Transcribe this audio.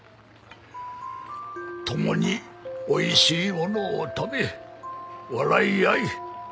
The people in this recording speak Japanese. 共においしいものを食べ笑い合い